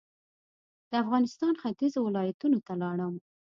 د افغانستان ختيځو ولایتونو ته لاړم.